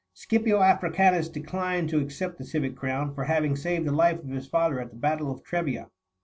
Scipio Africanus declined to accept the civic crown for having saved the life of his father at the battle of Trebia.